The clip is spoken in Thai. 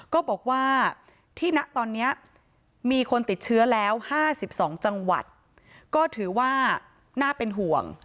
ก็บอกว่าที่ณตอนนี้มีคนติดเชื้อแล้ว๕๒จังหวัดก็ถือว่าน่าเป็นห่วง